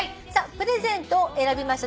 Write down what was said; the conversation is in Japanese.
「プレゼント」を選びました